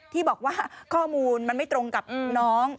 ที่บอกว่าข้อมูลมันไม่ตรงกับน้อง